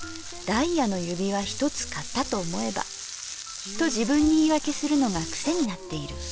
ダイヤの指輪一つ買ったと思えばと自分に言いわけするのが癖になっている。